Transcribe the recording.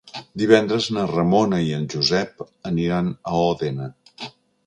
Divendres na Ramona i en Josep aniran a Òdena.